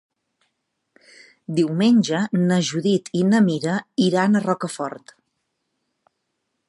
Diumenge na Judit i na Mira iran a Rocafort.